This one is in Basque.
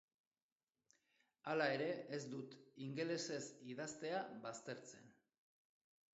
Hala ere ez dut ingelesez idaztea baztertzen.